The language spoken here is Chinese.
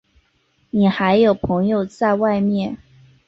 你还有朋友在外面？